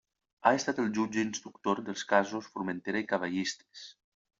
Ha estat el jutge instructor dels casos Formentera i Cavallistes.